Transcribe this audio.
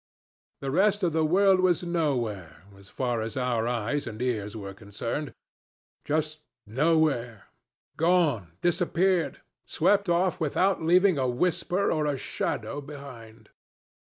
The rest of the world was nowhere, as far as our eyes and ears were concerned. Just nowhere. Gone, disappeared; swept off without leaving a whisper or a shadow behind.